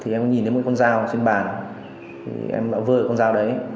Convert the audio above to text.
thì em nhìn thấy một con dao trên bàn em vơ cái con dao đấy